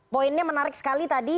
poinnya menarik sekali tadi